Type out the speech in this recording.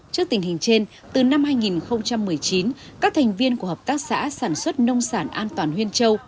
trước tình hình trên từ năm hai nghìn một mươi chín các thành viên của hợp tác xã sản xuất nông sản an toàn huyên châu